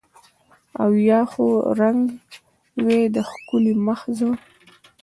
او یا خو رنګ وای د ښکلي مخ زه